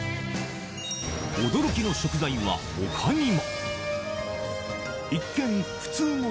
驚きの食材はほかにも。